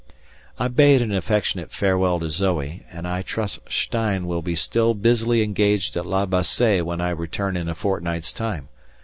I bade an affectionate farewell to Zoe, and I trust Stein will be still busily engaged at La Bassée when I return in a fortnight's time!